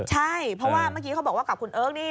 ใช่เพราะว่าเมื่อกี้เขาบอกว่ากับคุณเอิ๊กนี่